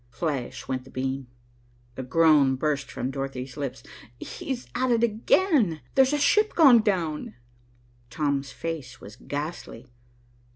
Flash went the beam. A groan burst from Dorothy's lips. "He's at it again. There's a ship gone down." Tom's face was ghastly.